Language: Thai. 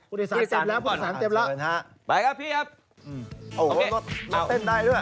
โอ้โฮเอาไว้ไป